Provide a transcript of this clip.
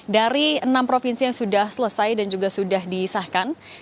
dari enam provinsi yang sudah selesai dan juga sudah disahkan